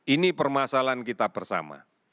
ini permasalahan kita bersama